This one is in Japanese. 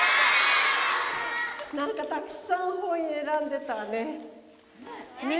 何かたくさん本選んでたわね。